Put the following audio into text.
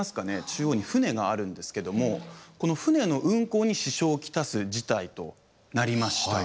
中央に船があるんですけどもこの船の運航に支障を来す事態となりました。